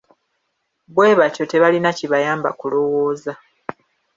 Bwe batyo tebalina kibayamba kulowooza.